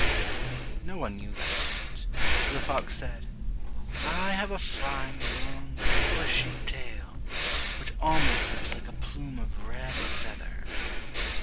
No one knew that, so the fox said, "I have a fine long bushy tail, which almost looks like a plume of red feathers.